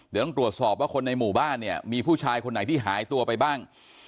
เดี๋ยวต้องตรวจสอบว่าคนในหมู่บ้านเนี่ยมีผู้ชายคนไหนที่หายตัวไปบ้าง